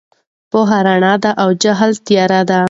پوهه رڼا ده او جهل تیاره ده.